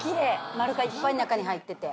丸がいっぱい中に入ってて。